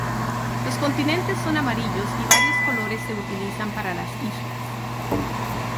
Los continentes son amarillos y varios colores se utilizan para las islas.